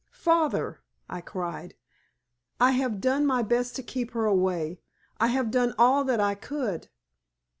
"Father!" I cried, "I have done my best to keep her away! I have done all that I could!"